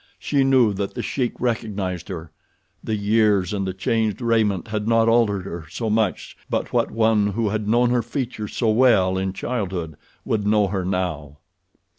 She knew that The Sheik recognized her. The years and the changed raiment had not altered her so much but what one who had known her features so well in childhood would know her now.